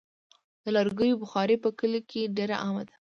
د لرګیو بخاري په کلیو کې ډېره عامه ده.